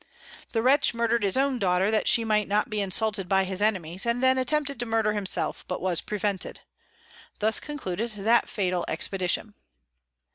The Wretch murder'd his own Daughter that she might not be insulted by his Enemies, and then attempted to murder himself, but was prevented. Thus concluded that fatal Expedition.